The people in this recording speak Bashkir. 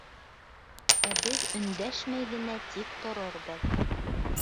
Ә беҙ өндәшмәй генә тик торорбоҙ.